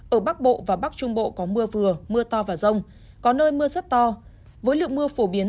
ở bắc bộ và bắc trung bộ có mưa vừa mưa to và rông có nơi mưa rất to với lượng mưa phổ biến